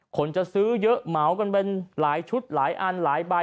คนจะซื้อเยอะเหมากันเป็นหลายชุดหลายอันหลายใบ